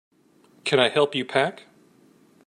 Can I help you pack?